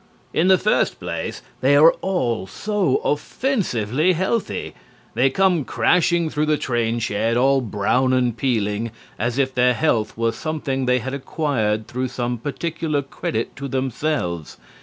In the first place, they are all so offensively healthy. They come crashing through the train shed, all brown and peeling, as if their health were something they had acquired through some particular credit to themselves.